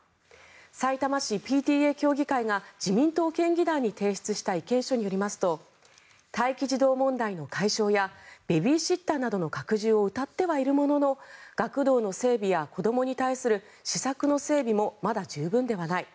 さいたま市ＰＴＡ協議会が自民党県議団に提出した意見書によりますと待機児童問題の解消やベビーシッターなどの拡充をうたってはいるものの学童の整備や子どもに対する施策の整備もまだ十分ではない。